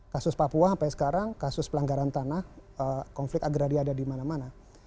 kasus papua sampai sekarang kasus pelanggaran tanah konflik agraria ada di mana mana